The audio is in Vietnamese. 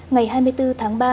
ngày hai mươi bốn tháng ba